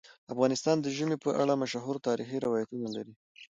افغانستان د ژمی په اړه مشهور تاریخی روایتونه لري.